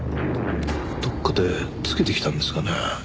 どっかで付けてきたんですかね？